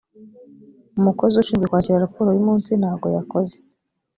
umukozi ushinzwe kwakira raporo yu munsi ntago yakoze